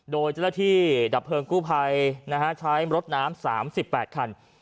โดยเจรถีดับเพลิงกู้ไพรใช้รถน้ำ๓๘คัน